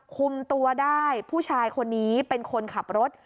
คุมตัวได้ผู้ชายคนนี้เป็นคนขับรถ